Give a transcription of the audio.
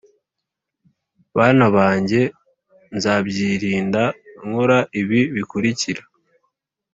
bana banjye nzabyirinda nkora ibi bikurikira